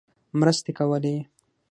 مرستې کولې.